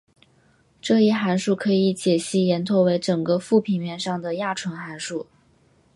这一函数可以解析延拓为整个复平面上的亚纯函数。